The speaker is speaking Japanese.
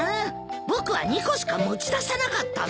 僕は２個しか持ち出さなかったぞ。